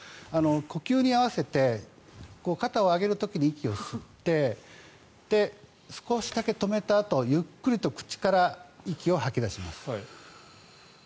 呼吸に合わせて肩を上げる時に息を吸ってで、少しだけ止めたあとゆっくりと口から息を吐き出します。